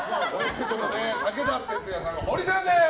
武田鉄矢さん、ホリさんです！